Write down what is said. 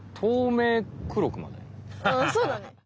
そうだね。